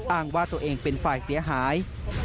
อ้างว่าตัวเองเป็นฝ่ายเสียหาย